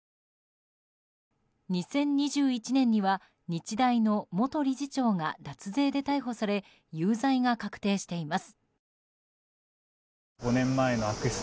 ２０２１年には日大の元理事長が脱税で逮捕され有罪が確定しています。